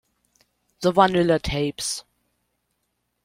The Vanilla Tapes